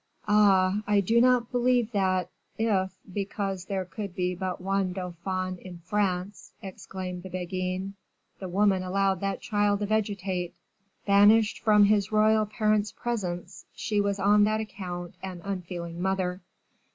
"Ah! I do not believe that, if, because there could be but one dauphin in France," exclaimed the Beguine, "the queen allowed that child to vegetate, banished from his royal parents' presence, she was on that account an unfeeling mother.